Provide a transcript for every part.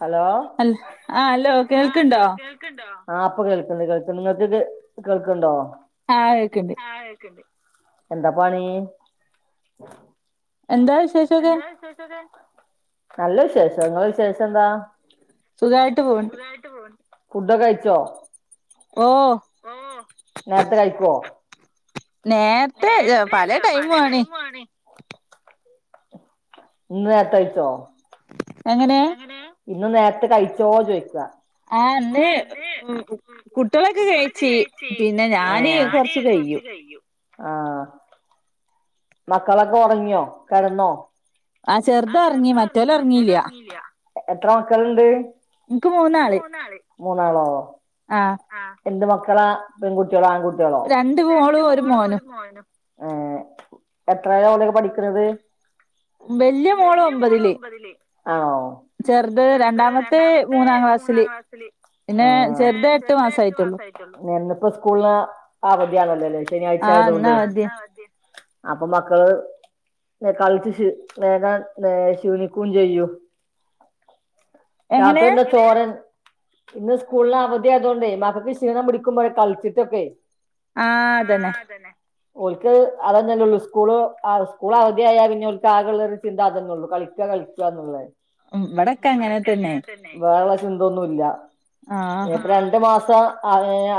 Hello അൽ ആ hello ആ കേൾക്ക്ണ്ടോ ഹലോ കേൾക്കണ്ടോ ആ അപ്പൊ കേൾക്കണ്ട് കേൾക്കുന്നു നിങ്ങൾക്ക് കേ കേൾക്കണ്ടോ ആ കേക്കണ്ടേ എന്താ പണി എന്താ വിശേഷമൊക്കെ നല്ല വിശേഷം നിങ്ങ വിശേഷം എന്താ സുഖായിട്ട് പോണ്ട് ഫുഡൊക്കെ കഴിച്ചോ ഓ നേരത്തെ കഴിക്കോ നേരത്തെ പല ടൈമ ആണ് ഇന്ന് എട്ടഴച്ചോ എങ്ങനെയ ഇന്ന് നേരത്തെ കഴിച്ചോ ചോദിക്കാ ആ അന്ന് കുട്ടികളൊക്കെ കഴിച്ചി പിന്നെ ഞാന് കൊറച്ച് ക ആ മക്കളൊക്കെ ഉറങ്ങിയോ കിടന്നോ ആ ചെറുത് ഇറങ്ങി മറ്റോല ഇറങ്ങില്ല എത്ര മക്കല്ലുണ്ട് മൂന്നാള് മൂന്നാളോ ആഹ് എന്ത് മക്കളാ പെൺകു ട്ടികളോ ആൺകുട്ടികളോ രണ്ട്മോള് ഒരു മോനും ഏ എത്ര അവുന്നൊക്കെ പഠിക്കുന്നത് വല്യയ മോള് ഒമ്പതില് ആണോ ചെറുത് രണ്ടാമത്തെ മൂന്നാം ക്ലാസ്സില് പിന്നെ ചെറുത് എട്ട് മാസ ആയിട്ടുള്ളു നിന്നിപ്പോ സ്കൂളിന് അ അവധിയണല്ലോല്ലേ ശനിയാഴ്ച ആഹ് ആയതുകൊണ്ട് ഇന്നവധിയാ അപ്പൊ മക്കള് കളിച്ച് ഷീ നേകാൻ ഷീണിക്കയും ചെയ്യൂ എങ്ങനെ നോത്തൂൻ്റെ ചോരൻ ഇന്ന് സ്കൂളിന് അവധി ആയതൊണ്ടേ മക്കൾക്ക് ക്ഷീണം പിടിക്കുമ്പോഴ കളിച്ചിട്ടൊക്കെ ആ അതന്നെ ഒരിക്ക അത് അള്ളൂ സ്കൂള് സ്കൂൾ അവധിയായ പിന്നെ ഒക്ക് ആകുള്ള ഒരു ചിന്ത അതന്നെ ഉള്ളൂ കളിക്കുക കളിക്കുകന്നുള്ളേ ഇവടൊക്കെ അങ്ങനെ തന്നെ ഇവിടക്കങ്ങനെ തന്നെ ചിന്തൊന്നുമല്ല ആഹ് പ്പ രണ്ട് മാസം ആ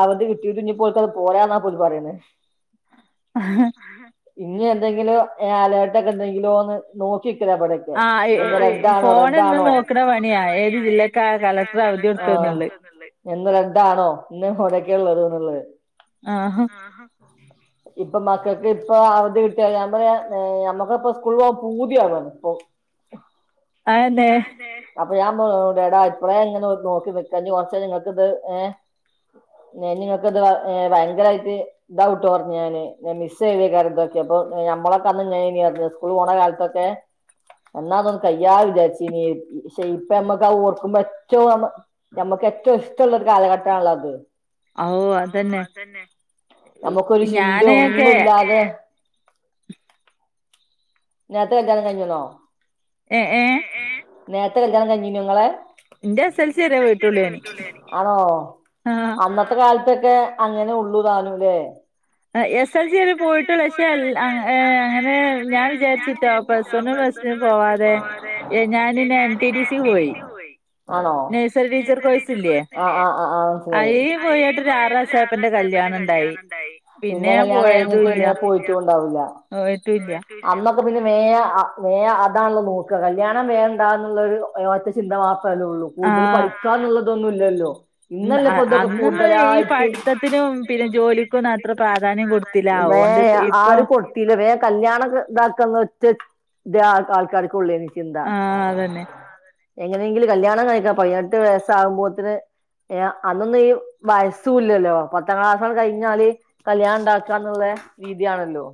അവത് കിട്ടിട്ഇനിപ്പോ അവർക്ക്അത് പോരാന്നാ പോല പറയേ ആഹ ഇനി എന്തെങ്കിലും അലേർട്ടൊക്കെ എന്തെങ്കിലോന്ന് നോക്കി ചിിക്കരപ്പടക്കെ ആഹ് റെഡ്ണോ ഫോണെന്നും റെഡാണോ നണ നോക്കണ പണിയാ ഏത് ഏ ജില്ലക്കാ കളക്ടർ അവധി ആ കൊടുത്തന്നുള്ളത് ഇന്ന് രണ്ടാണോ ഇന്ന് മുടക്കെള്ളത് ഉള്ളത് ആഹ് ഇപ്പ മക്കക്ക് ഇപ്പൊ അവധി കിട്ടിയ ഞാൻ പറ നമ്മുക്കിപ്പ സ്കൂൾ പോകൻ പൂതിയാകാണ് ഇപ്പൊ അതന്നെ അതെ അപ്പൊ ഞാൻ ഡേടാ ഇപ്പോലെ എങ്ങനെ നോക്കി വേക്കാ കുറച് നിങ്ങൾക്ക്ത് ഏ നിങ്ങക്ക് ഇത് ഭയങ്കരമായിട്ട് ദൗട്ട് ഞ്ഞു ഞാന് മിസ് സേവക്കാര് ഇതൊക്കെ അപ്പൊ നമ്മളൊക്കെന്ന് ഞ സ്കൂൾ പോണ കാലത്തൊക്കെ എന്നാന്നൊന്ന് കയ്യാത വിചാരിച്ച ഇ ഇപ്പ നമ്മക്ക് ആ ഓർക്കുമ്പോച്ചോമ്മമ്മക്ക് ഏറ്റവും ഇഷ്ടമുള്ള ഒരു കാലഘട്ടമാണല്ല അത് ഔ അതന്നെ നമ്മുക്കൊരു ചിന്ത ഞാനൊക്കെ ഒന്നും അതെ നേത്തെ വെക്കാനും കഴിഞ്ഞളോ ഏ ഏ നേരത്തെ കണം കഴിഞ്ഞു നിങ്ങളെ എന്റെ എസ് എൽ സി വരെ പോയിട്ടുള്ളൂ ഞാന് ആണോ ആഹ് അന്നത്ത കാ കാൽപട്ട ക്കെ അങ്ങനെ ഉള്ളു താനുംല്ലേ ആഹ എസ് എൽ സി പോയിട്ടുള്ള പക്ഷെ അങ്ങനെ ഞാൻ വിചാരിച്ചിട്ടോ ബസ്സ ഒൊന്നും ബസിനും പോവാതെ ഏ ഞാനിന്ന എൻ ടി ഡി സി പോയി ആണോ നഴ്സറി ടീച്ചർ നഴ്സ കോഴ്സ് ടീച്ചർഴ ഇല്ലേ അയില് അയി പോയിട്ട് ഒരു ആറ് മാസായപ്പോ എന്റെ പോയിട്ട്റാ കല്യാണം ഉണ്ടായി കല്യാണ്ടായി പിന്നെ ഞാൻ പോയതും ഇല്ല കല്യണം പോയിട്ടും ഇല്ല [inaudible] അ [unintelligible] പിന്നെ മേ മേ അതാണല്ലത് നോക്കുക കല്യാണം വേണ്ട എന്നുള്ള ഒരു ഒറ്റ ചിന്ത മാക്ക സ്ഥലള്ളൂ കൂടുതൽ ആഹ് പഠിക്കാന്നുള്ളതൊന്നും ഇല്ലല്ലോ ഉം ഇന്നല്ലപ്പൊ അ- ഇതൊക്കെ അന്നൊന്നും ഈ കൂടുതലായിട്ട് പഠിത്തത്തിനും പിന്നെ ജോലിക്കൊന്നും അത്ര പ്രാധാന്യം കൊടുത്തില്ല വേ അതുകൊണ്ട് ഇപ്പൊ ആര് കൊടുത്തില്ല വേ കല്യാണ ഇതാക്കുന്ന ഒറ്റ ഇ ആൾക്കാർക്ക്ള്ളേ ആഹ അതന്നെ എങ്ങനെയെങ്കിലും കല്യാണം കഴിക്കാ പതിനെട്ട് വയസ്സ ആകുമ്പോത്തിന് ഏ അന്നൊന്നും ഈ വയസ്സൂല്ലല്ലോ പത്താം ക്ലാസ്സൾ കഴിഞ്ഞാല് കല്യാണം ഉണ്ടാക്കി ന്നുള്ള രീതിയാണല്ലോ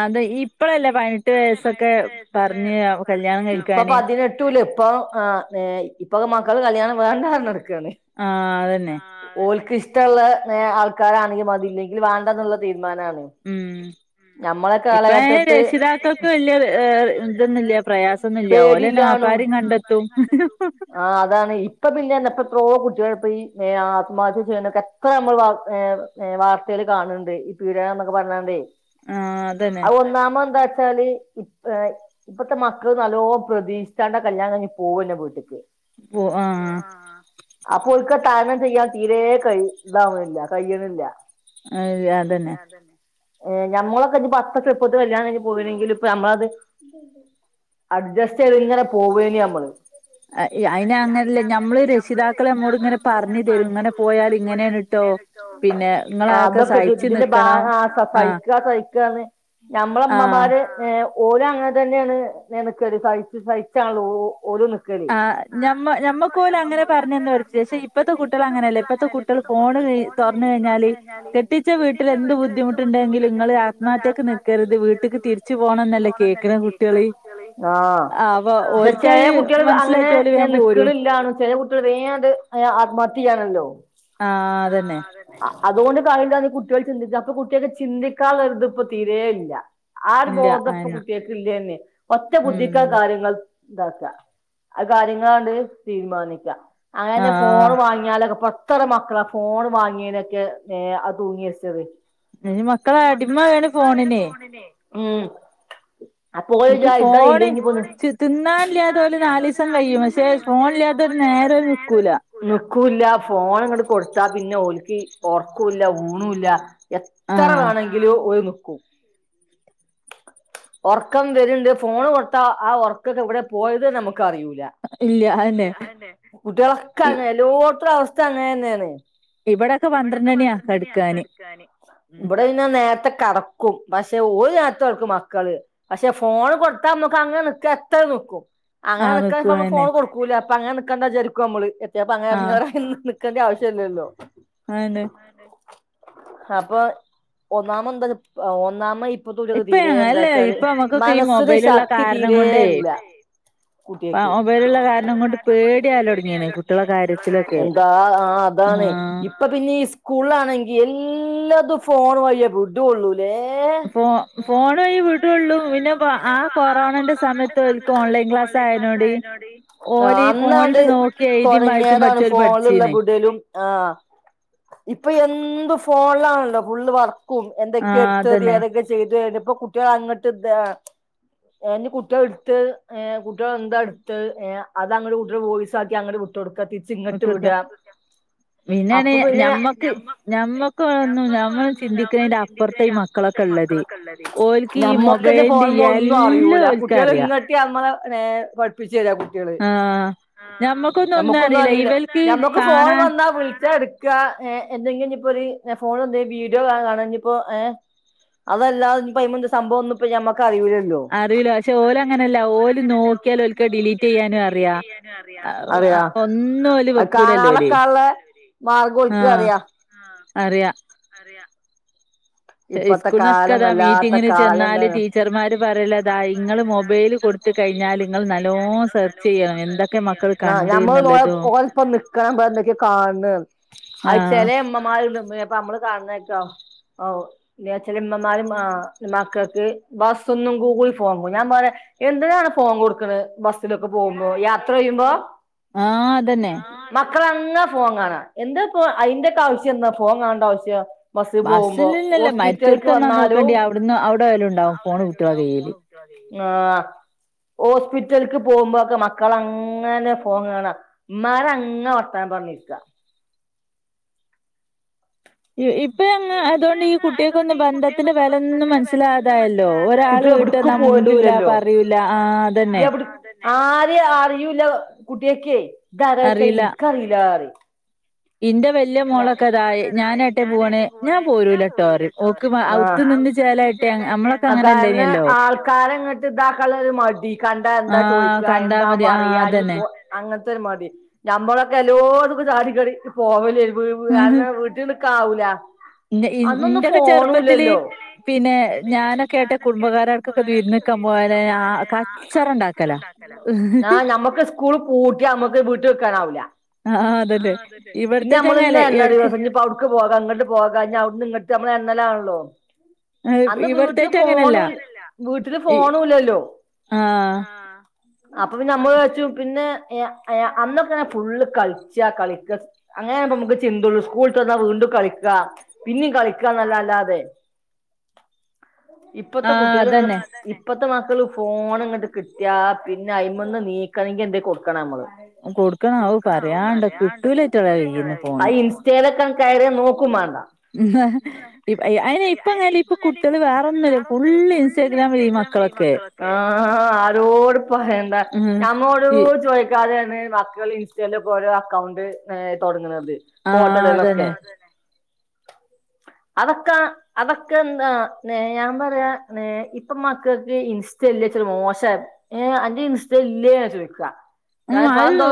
അത് ഇപ്പഴല്ലേ അതെ പതിനെട്ട് ഇപ്പഴല്ലേ വയസ്സൊക്കെ പതിനെട്ട് വയസൊക്കെ പറഞ്ഞ് കല്യാണം പറഞ്ഞഞ് ഇപ്പൊ കഴിക്കാന് പതിനെട്ടല്ല ഇപ്പ ആ് ഇപ്പൊക്കെ മക്കള് കല്യാണം വേണ്ട നടക്കാണ് ആഹ് അതന്നെ ഓക്ക് ഇഷ ഇഷ്ടമുള്ള ആൾക്കാരാണെങ്കിൽ അതില്ലെങ്കിൽ വേണ്ട എന്നുള്ള ത തീന ഉം നമ്മളെ ഇപ്പ കാലഘട്ട [unintelligible] രക്ഷിതാക്കൾക്ക് വലിയ ഇതൊന്നുമില്ല പ്രയാസൊന്നുമില്ല പേടില്ലാണു ഓലന്നെമാപ്പാരം കണ്ടെത്തും [inaudible] ആ അതാണ് ഇപ്പ പിന്നെ എ എപ്പ എത്രയോ കുട്ടികെപ്പ ആത്മഹത്യ ചെയ്യുന്നൊക്കെ എത്ര നമ്മൾ വാർത്തകൽ കാണുന്നുണ്ട് ഈ പീട എന്നൊക്കെ പറഞ്ഞണ്ടേ ആഹ അതന്നെ എന്താ വച്ചാല് ഇപ്പ ഇപ്പഴത്തെ മക്കള് നല്ലോ പ്രതീക്ഷിച്ചാണ്ട കല്യാണം കഴി പോവന്നെ വീട്ടിലക്ക് ആഹ് ആ അപ്പൊ ഒക്ക ത ചെയ്യാൻ തീരെ കൈ ഇതാവുന്നില്ല കഴണില്ല അ അതന്നെ ഏർ നഞമ്മളൊക്കെ ഇ പത്തക്കെുപ്പത്തി വല്യാണ പോയിണെങ്കിൽ ഇപ്പൊ നമ്മളത് അഡ്ജസ്റ്റ് ചെയ്ത് ഇങ്ങനെ പോവേന് നമ്മള് അ അ അയി അങ്ങനല്ലേ ഞമ്മള് രക്ഷിതാക്കളെ നമ്മോട് ഇങ്ങനെ പറഞ്ഞു തരും ഇങ്ങനെ പോയാൽ ഇങ്ങനെണ് അതൊക്കെ ഇത് സഹിച്ചു ഇതിന്റെ നിക്കണം ഭാഗ ആ ആഹ് സഹിക്ക സഹി [unintelligible] ഞമ്മള ആഹ് ഉമ്മമാര് ഏഹ് ഓര് അങ്ങനെ തന്നെയാണ് നിനക്കരു സഹിച്ചു സഹിച്ചു [unintelligible] ആ നമ്മ നമ്മക്ക് പോലും അങ്ങനെ [unintelligible] പക്ഷെ ഇപ്പത്തെ കുട്ട്യാള് അങ്ങനെയല്ലേ ഇപ്പത്തെ കുട്ട്യാള് [unintelligible] പറഞ്ഞു കഴിഞ്ഞാല് കെട്ടിച്ച വീട്ടിൽ എന്ത് ബുദ്ധിമുട്ടുണ്ടെങ്കിലും നിങ്ങള് ആത്‌മാർ [unintelligible] നിക്കരുത് വീട്ടിക്ക് തിരിച്ചു പോകണം എന്നല്ലേ കേൾക്കണ കുട്ടികള് ആഹ് അപ്പൊ പക്ഷെ ചെല ഓൽക്കത് കുട്ടി [unintelligible] അങ്ങനെ മനസ്സിലായിട്ട് ഓല് വേഗം പോരും നിക്കണില്ലാന്ന് ചെല കുട്ടികൾ വേഗം അങ്ങട് ആത്മഹത്യ ചെയ്യാണല്ലോ ആഹ് അതന്നെ അതുകൊണ്ട് [unintelligible] കുട്ടികൾ ചിന്തിക്ക അപ്പൊ കുട്ടിയക്ക് ചിന്തിക്കാനുള്ള ഇത് ഇപ്പൊ തീരേ ഇല്ല ആ ഒരു ഇല്ല ബോധം ഇപ്പ അതന്നെ കുട്ട്യക്ക് ഇല്ല്യ തന്നെ ഒറ്റ ബുദ്ധിക്ക ഉം കാര്യങ്ങൾ ഇതാക്ക ആ കാര്യങ്ങളങ്ങട് തീരുമാനിക്കാം അങ്ങനെ ആഹ് ഫോണ് വാങ്ങിയാലൊക്കെ പ എത്ര മക്കള ഫോൺ വാങ്ങിയതിനൊക്കെ അത് തൂങ്ങി മരിച്ചത് ഇനി മക്കളെ അടിമ ആവാനും [unintelligible] ഫോണിലെ മ് അപ്പോ എനിക്ക് ജാ ഫോണ് ഇതായില്ലേ [unintelligible] [unintelligible] തിന്നാനില്ലാത്തോല് നാലീസം കഴിയും പക്ഷെ ഫോണില്ലാത്തോര് നേരെ നിക്കൂല വെക്കൂല്ല ഫോൺ അങ്ങട് കൊടുത്താ പിന്നെ ഓൽക് [unintelligible] ഉർക്കൊല്ല ഊണില്ല എത്ര ആഹ് വേണെങ്കിലും ഓന് [unintelligible] ഒർക്കം വരുണ്ട് ഫോണ് കൊടുത്താ ആ ഉർക്കൊക്കെ ഇവിടെ പോയത് നമ്മ [unintelligible] ഇല്ല അതന്നെ കുട്ടികളൊക്കെ അങ്ങനെ എല്ലോടത്ത അവസ്ഥയും അങ്ങനെ തന്നെയാണ് ഇവിടൊക്കെ ഇവിടെക്കെ പന്ത്രണ്ടണിയാ പന്ത്രണ്ട് മണിയാവും കെടക്കാന് ഇവിടെ പിന്നെ നേരത്തെ ക്കും പക്ഷെ ഒരു [unintelligible] മക്കള് പക്ഷെ ഫോണ് കൊടുത്താ നമ്മക്ക് അങ്ങനെ നിക്ക എത്ര നിക്കും അങ്ങനെ ആഹ് നിക്കണ സമയം നിക്കുവന്നെ ഫോൺ കൊടുക്കൂല്ല അപ്പൊ അങ്ങനെ നിക്കാണ്ടാന്നു വിചാരിക്കും അമ്മള് എത്തിയപ്പ അങ്ങനെ ആഹ് [unintelligible] [unintelligible] ആവശ്യം ഇല്ലല്ലോ [unintelligible] അപ്പൊ ഒന്നാമ [unintelligible] ഒന്നാമ ഇ [unintelligible] ഇപ്പ തീരേ എന്താ അല്ല വച്ചാല് ഇപ്പ നമ്മുക്കൊക്കെ ഈ മനസ്സിന് മൊബൈലുള്ള ശക്തി കാരണം കൊണ്ടേ തീരേല്ല കുട്ടിയക്ക് മൊബൈലുള്ള കാരണം കൊണ്ട് പേടിയാവലൊടങ്ങീണ് കുട്ടികളെ കാര്യത്തിലൊക്കെ എന്താ ആഹ് അതാണ് ആഹ് ഇപ്പൊ പിന്നെ ഈ സ്കൂളാണെങ്കിൽ എല്ലാതും ഫോൺ വഴിയേ വിടൊള്ളൂ. ഫോ ഫോണ് വഴി വീട്ടുകളിലും പിന്നെ ആ കൊറോണന്റെ സമയത്ത് ഓർക് ഓൺലൈ ഓൺ ലൈൻ ക്ലാസ് ആയിനോടി ഈ വന്ന് ഫോണില് അങ്ങട് നോക്കി എഴുതിയും വായിച്ചും തൊടങ്ങിയതാണ് പഠിച്ചോല് ഫോണിലുള്ള പഠിച്ചീന് പിടി [unintelligible] ആഹ് ഇപ്പൊ എന്തും ഫോ ഫോണിലാണല്ലോ ഫുൾ വർക്കും. എന്തൊക്കെയ ആഹ് എടുത്തത് അതന്നെ ഏതൊക്കെയാ ചെയ്തതു. ഇതിപ്പോ കുട്ട്യാൾ അങ്ങ [unintelligible] ഞാൻ ഇനി കുട്ട്യളെ എടുത്ത് ഏഹ് കുട്ടികൾ എന്താ എടുത്ത് ഏഹ് അത് അങ്ങട് കുട്ട്യള് വോയിസാക്കി അങ്ങട് വി [unintelligible] തിരിച് ഇട്ട് ഇങ്ങട്ട് കൊടുക്ക വിടുക പിന്നെണ് അപ്പൊ പിന്നെ [unintelligible] ഞമ്മക്ക് ഞമ്മക്ക് ഒന്നും നമ്മക്ക് ഞമ്മൾ വേറൊന്നുല്ലാ നമ്മള് ചിന്തിക്കുന്നതിന്റെ ചിന്തിക് അപ്പുറത്തെ ഈ [unintelligible] അപ്പറത്തു മക്കളൊക്കെ ഈ ഉള്ളത് മക്കളൊക്കേ ഇള്ളേര്. ഓൽക്ക് ഈ നമ്മക്ക് ഇത് മൊബൈലിന്റെ ഫോണും മേൽ എല്ലാം അറിയൂല ഓൽക്ക് കുട്ട്യാള് അറിയാം ഇങ്ങെത്തിയ അം [unintelligible] നേരെ പഠിപ്പിച്ചു തരാ കുട്ട്യള്. ആഹ് ആഹ് ഒന്നും ഞമ്മക്കൊന്നും അറിയില്ല. ഇവൽക്ക് ഞമ്മക്ക് ഫോൺ കാണാ വന്നാ വിളിച്ചാ എടു [unintelligible] ഏഹ് എന്തെങ്കിലും ഇനിപ്പോ ഒരു ഫോണ് [unintelligible] വീഡിയൊ കാണുകാണെങ്കി [unintelligible] ഏഹ് അതല്ലാതെ ഇനിപ്പ [unintelligible] സംഭവം ഒന്നും ഇപ്പ ഞമ്മ [unintelligible] അറിയൂല്ലല്ലോ. അറിയില്ല പക്ഷെ ഓല് അറിയൂല അങ്ങനെയല്ല പക്ഷെ ഓര് ഓല് അങ്ങനെയല്ല നോക്കിയാൽ ഓര് ഓൽക്ക് ഡിലീറ്റ് നോക്കിയാല് ഓർക്ക് ചെയ്യാനും അറിയാ ഡിലീറ്റ് ചെയ്യാനും അറിയാം. [unintelligible] അറിയാം ഒന്നും ഓല് വെക്കൂലല്ലോ ഓല് കാണാനൊക്കാ ഉള്ള മാർഗ്ഗം ഇനിക്ക് അറിയാം അറിയാം ശെരി ഇപ്പത്തെ സ്കൂളിനൊക്കെ കാലം അതാ വല്ലാത്ത മീറ്റിങ്ങിന് കാലം ചെന്നാല് തന്നെ ടീച്ചർമാര് പറയലതാ ഇങ്ങള് മൊബൈല് കൊട് മൊബൈല് കൊടുത്തു കഴിഞ്ഞാൽ നിങ്ങള് നല്ലോണം ചെയ്യണം എന്തൊക്കെ മക്കൾ [unintelligible] കണ്ട് നമ്മള് പോയ എന്നുള്ളതും പോയപ്പോ നിക്കാൻ പറ എന്തൊക്കെ കാണൂ ന്ന് അഅ് ആഹ് ച്ചലേ ഇമ്മമാര് നിന്ന് അപ്പ നമ്മള് കാണണേക്ക ഔ ലെ ചെലെ ഇമ്മമാര് ആ മക്കൾക്ക് ബസ്സ് ന്നും കൂടി ഫോൺ കൊ ഞാൻ പറ്യാ എന്തിനാണ് ഫോൺ കൊട്ക്ക്ണെ ബസ്സിലൊക്കെ പോവുമ്പോ യാത്ര യ്യുമ്പോ ആ അതെന്നെ ക്കളങ്ങ ഫോൺ കാണാ എന്തപ്പൊ അയ്ൻ്റെ ക്കാവുസ്യന്താ ഫോൺ കാണേണ്ടാവു സ്യം ബസ്സി പോവുമ്പോ ഇല്ലല്ല മര്‌ച്ചോട്ത്തന്നാ നോക്കണ്ടി അവിടുന്ന് അവിടെയലും ണ്ടാവും ഫോണ് കുട്ട്യളെ കയ്യില് ആ ഹോസ്പിറ്റല്ക്ക് പോവുമ്പോക്കെ മക്കള ങ്ങനെ ഫോൺ കാണാ ഇമ്മാരങ്ങനെ വർത്താന പണിക്ക ഇ ഇപ്പ് ഇപ്പ ന്ന് അതൊണ്ട് ഈ കുട്ട്യേക്കൊന്നും ബന്ധത്തിന്റെ വെലൊന്നും മൻസ്സിലാതായല്ലോ ഒരാൾ വീട്ട്ന്നാ മു പോര്നില്ലല്ലോ മുണ്ടൂല പറില ആ അതെന്നെ ആരിം അറിയൂല്ല കുട്ട്യക്കെ താരാച അറിയില്ല ഇൻക്കറില്ലാറിം ഇന്റെ വെല്ല്യ മോളൊക്കെതാ യ ഞാനേട്ടേ പോവാണേ പോവാണേ ഞാ പോരൂലട്ടോ റിം ഓക്ക് ആ അവ്ത്ത് നിന്ന് ചേലായിട്ടെ ചേലായി ട്ടേ നമ്മളൊക്കെ അതാണ് അങ്ങനെല്ലേനല്ലോ ആൾക്കാരെ അങ്ങട്ട് ഇതാക്കള്ളാരു മടി കണ്ട എന്താ ആഹ് ചോയ്ക്കാ കണ്ടാ എന്താ മതി ആഹ് പറയാ അതന്നെ ഞ്പോ അങ്ങ തൊരു മടി ഞമ്മളൊക്കെ എല്ലോട്ത്ത്ക്കും ചാടിക്കടി പോവലേ പ് വ് ആനെ വീട്ടി നിക്കാവൂല അന്നൊന്നും ഇന്റെയൊക്കെ ചെറുപ്പത്തില് ഫോണൂല്ലല്ലോ പിന്നെ ആയിട്ട് ഞാനൊക്കെ എന്റെ കുടുംബക്കാരടക്കൊക്കെ കുടുംബകാര ട്ക്കൊക്കെ വിരുന്ന്ക്കാൻ വി ര്ന്ന്ക്കാ പോയാല് പോ [unintelligible] ആ കച്ചറ ഉണ്ടാക്കലാ ണ്ടാക്കല്ല ആ ഞമ്മക്ക് സ്കൂള് പൂട്ട്യാ നമ്മക്ക് വി ട്ട് നിക്കാനാവൂല ആഹ് ആ അതന്നെ അതെന്നെ പിന്നെ ഇവിടത്തേറ്റ് നമ്മള് അങ്ങനല്ലേ ങ്ങനെ എന്നാ എടക്ക് ദിവസം ഞ് പ്പട്ക്ക് പോകാ ങ്ങട്ട് പോകാ ഇഞട്ന്ന്ങ്ങട്ട് നമ്മളെണ്ണാലാണല്ലോ അന്ന് വീട്ടില് ഇവിടത്തേറ്റ് അങ്ങനല്ല ഫോണും ഇല്ലല്ല വീട്ടില് ഫോണു ല്ലല്ലോ ആ അപ്പോ പിന്നെ അമ്മള് ച്ചും പിന്നെ അയ അയ അന്നൊക്കെണെ ഫുള്ള് കൾച്ചാ കളിക്ക അങ്ങനാവുമ്പോ നമുക്ക് ചിന്തൊള്ളൂ സ്കൂൾ ട്ട് വന്നാ വീണ്ടും കളി ക്ക പിന്നിം കളിക്കാ എന്നല്ലല്ലാതെ ഇപ്പത്തെ ആഹ് കുട്ട്യേള് ആ അതന്നെ അതെന്നെ ഇപ്പത്തെ മ മക്കള് ഫോണ്ങ്ങട്ട് കിട്ട്യാ പിന്നെ അയ്മന്ന് നീക്കണമെങ്കി എന്തേ കൊടുക്കണമ്മള് അഅ് കൊടുക്കണം ഔ കൊട്ക്കണം അഅ് പറയാണ്ടോ പറ്യാണ്ടോ കിട്ടൂലറ്റോളെ കിട്ടൂല കയ്യിന്ന് അയ്റ്റളേന്ന് ആ ഫോണ് ഇൻസ്റ്റേലൊക്കെ കയറ്യാ നോക്കും മാണ്ട ഇ അയിന് ഇപ്പോ അങ്ങനല്ല ഇപ്പ കുട്ടികള് വേറൊ ന്നുല്ല ഫുള്ള് ഇൻസ്റ്റാഗ്രാമിലാ ഈ മ [unintelligible] ഈ മക്കളൊക്കെ ആ ആരോടും പറയണ്ട ഉം നമ്മളോടും ഈ കൂടെ ചോദിക്കാതെ ഇന്ന് മക്കള് ഇൻസ്റ്റയിലൊക്കെ ഓരോ അക്കൗണ്ട് ഏ തൊടങ്ണത് ആഹ് ഫോട്ടോടലൊക്കെ അതന്നെ അതൊക്കെ അതൊക്കെ എന്താണ് ഞാൻ പറയാണ് ഇപ്പ മക്കക്ക് ഇൻസ്റ്റ ൻസ്റ്റാല്ലേ ച്ചാ മോശ ഏ അൻ്റെ ഇൻസ്റ്റല്ലെന്നാ ചോയ്ക്ക ഉം ക്കപ്പ അത് എന്തോ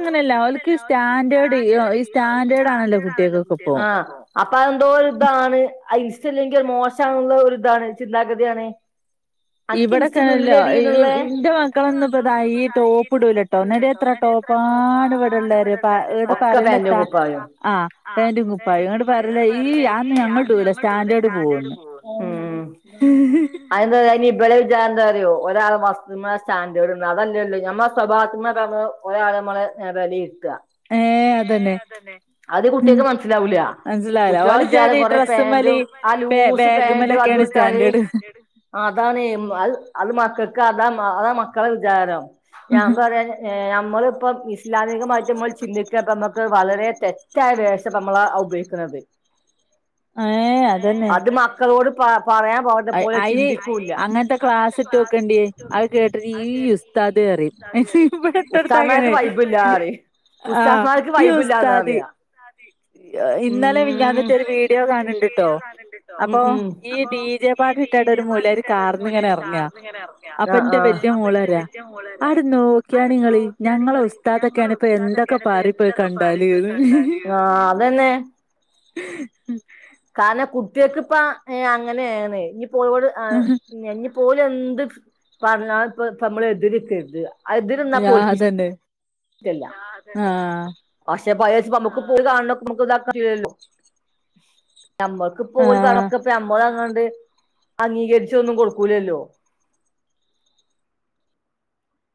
അങ്ങനെയല്ല അങ്ങനെല്ല ഓൽക്ക് സ്റ്റാൻഡേർഡ് ഈ ഇ ഓ സ്റ്റാൻഡേർഡ് ആണല്ലോ സ്റ്റാൻഡേർഡണല്ലോ കുട്ടികൾക്കൊക്കെ കുട്ട്യ ഇപ്പോ ആ അപ്പോ അഅ്ന്തോ ഇതാണ് ഇൻസ്റ്റല്ലെങ്കി അത് മോശണെള്ള ഒരിതാണ് ചിന്താഗത്യാണ് അൻക്ക് ഇവിടെക്കെല്ലോ ഇൻസ്റ്റൊന്നുല്ലേടിന്ന് ള്ളെ ഇന്റെ ഇൻ്റെ ഇപ്പതാ മക്കളൊന്നും പ്പതാ ഈ ഇടൂലട്ടോ ടോപ്പ് എന്നിട്ട് ടൂലട്ടോ ന്നട്ട് എത്ര ടോപ്പാണ് ഇവിടെള്ളേര് വടെള്ളെറ്യൊ ഇങ്ങട്ട് ഒക്കെ പാന്റും പറയലെത്താ കുപ്പായും ആഹ് ആ കുപ്പായും പാന്റും ഇങ്ങട്ട് കുപ്പയവും ങ്ങട്ട് പറയല് പറ്യേല അതൊന്നും ഈ ഞങ്ങൾ ആഒന്നും ഇടൂല ഞങ്ങള്ടൂല സ്റ്റാൻഡേർഡ് പോവുന്ന് ഉം അതെന്താ [unintelligible] ബലെ വിജാരെന്താ റ്യോ ഓലാ വസ്മലാ സ്റ്റാൻഡേർഡെന്ന് അതല്ലല്ലോ ഞമ്മളെ ഒരാളടെ വസ്തുവിൻ മേല് സ്റ്റാൻഡേർഡന്ന് അതല്ലല്ലോ നമ്മളെ സ്വഭാവത്തിന്മേലാണ് ഒരാള അതാ മ്മളെ വെലയിര്ത്താ ഏഹ് ഏ അതന്നെ അതെന്നെ അത് ഉം കുട്ട്യക്ക് മനസ്സിലാ ലാ മനസ്സിലായില്ല ഓല് കുട്ട്യളെ വിചാരം വിചാരി കൊറെ ഡ്രസ്സ്മ്മല് പാന്റും ആ ബേ ലൂസ് പാന്റും ബാഗ്മ്മലൊക്കെയാണ് അതുട്ടാല് സ്റ്റാൻഡേർഡ് സ്‌റ്റാൻഡേർഡ് ആ അതാണ് ഉം അഅ് അത് മക്ക ക്ക് അതാ മ് അഅ് മക്കളടെ വിചാരം ഞാൻ പറയ ഏ നമ്മളിപ്പം സ് ലാമികമായിട്ട് നമ്മള് ചിന്തിക്ക പ്പ അമ്മക്ക് വളരെ തെറ്റായ വേഷ നമ്മളാ ഉപയോഗിക്കുന്നത് ഏഹ് അതന്നെ അത് മക്കളോട് പറ അയിന് അങ്ങനത്തെ ക്ലാസ്സിട്ട് വെക്കേണ്ടിയെ അത് കേട്ടിട്ട് ഈ ഉസ്താദ് പറയും ഇവിടെട്ടോടുത്താ അങ്ങനെ ഉസ്താദ്മാർക്ക് വൈബില്ലാറിയും ആ ഉസ്താദ്മാർക്ക് ഈ വൈബില്ലാന്നാ ഉസ്താദ് പറയാ ഇന്നലെ ഉം മിനിഞ്ഞാന്നിട്ടാ ഒരു വീഡിയോ കാണ്ന്നുണ്ടട്ടോ അപ്പോ ഈ ഡി ജെ ഈ പാട്ട് ഡി ഇട്ടാണ്ട് ജെ ഒരു പാർട്ടി മൂലര് ഇട്ടതിന്റെ ഒരു കാറിന്ന് ഇങ്ങനെ മോലിയർ എറങ്ങാ കാറിൽനിന്ന് ഇങ്ങനെ അപ്പൊ ഇറങ്ങയ എന്റെ വല്യ അപ്പോ മോള് എന്റെ പറയാ വലിയ മോള് പറയവാ ആടെ അത് നോക്കിയാണിങ്ങള് നോക്കിയേ ഞങ്ങളെ നിങ്ങള് ഞങ്ങളെ ഉസ്താദൊക്കെയാണ് ഇപ്പൊ ഉസ്താദ് എന്തൊക്കെ ഒക്കെയാണേ ഇപ്പോ പാറി പോയി എന്തൊക്കെ പറയും ഇപ്പോ ഇത് കണ്ടാല്ന്ന് കണ്ടാല് അതന്നെ അതെ കാരണം കുട്ടികൾക്ക് ഇപ്പോ അങ്ങനെയാണേ പോന്നുള്ളവര് ആ ഇനി ഇപ്പൊ എന്ത് പറഞ്ഞാ ഇപ്പോ നമ്മള് എതിര് നിക്കരുത് എതിര് നിന്നാൽ യാ ഓല്ക്ക് അതന്നെ ഇഷ്ട്ടല്ല ആ അതന്നെ ആഹ് അതെരിച്ചു നമുക്ക് ഓല് കാണണക്ക നമുക്ക് ഇതാക്കാൻ പറ്റുല്ലല്ലോ നമ്മൾക്ക് പോ ഓല് ആഹ് പറയുന്നതൊക്കെ നമ്മളെയും കൊണ്ട് അംഗീകരിച്ചൊന്നും കൊടുക്കൂലല്ലോ